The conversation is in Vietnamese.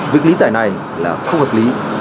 việc lý giải này là không hợp lý